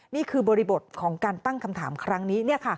บริบทของการตั้งคำถามครั้งนี้